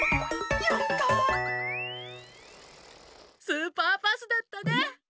スーパーパスだったね！